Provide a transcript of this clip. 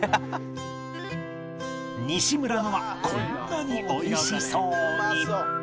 西村のはこんなに美味しそうに！